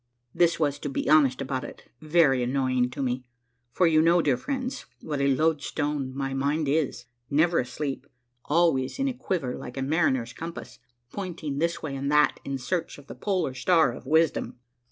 This was, to be honest about it, very annoying to me ; for you know, dear friends, what a loadstone my mind is, never asleep, always in a quiver like a mariner's compass, pointing this way and that, in search of the polar star of wisdom.